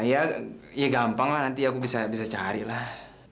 ya ya gampang lah nanti aku bisa cari lah